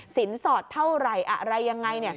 ศิลป์สอดเท่าไรอะไรอย่างไร